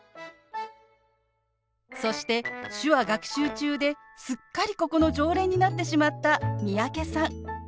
そして手話学習中ですっかりここの常連になってしまった三宅さん